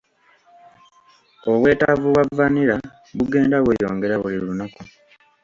Obwetaavu bwa vanilla bugenda bweyongera buli lunaku.